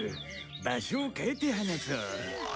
場所を変えて話そう。